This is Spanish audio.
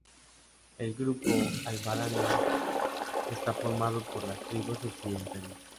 El grupo al-Barani está formado por las tribus occidentales.